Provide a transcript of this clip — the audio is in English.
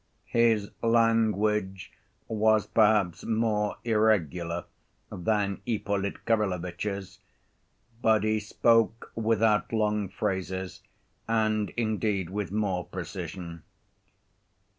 His language was perhaps more irregular than Ippolit Kirillovitch's, but he spoke without long phrases, and indeed, with more precision.